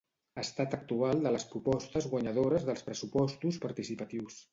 Estat actual de les propostes guanyadores dels pressupostos participatius